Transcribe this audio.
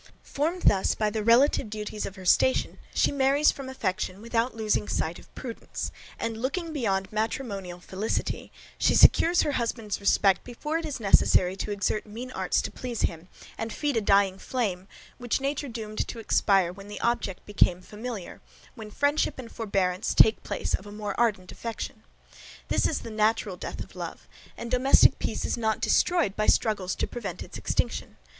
Formed thus by the relative duties of her station, she marries from affection, without losing sight of prudence, and looking beyond matrimonial felicity, she secures her husband's respect before it is necessary to exert mean arts to please him, and feed a dying flame, which nature doomed to expire when the object became familiar, when friendship and forbearance take place of a more ardent affection. This is the natural death of love, and domestic peace is not destroyed by struggles to prevent its extinction.